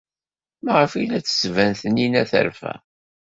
Maɣef ay la d-tettban Taninna terfa?